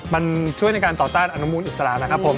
มันช่วยในการต่อต้านอนุมูลอิสระนะครับผม